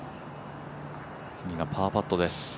次がパーパットです。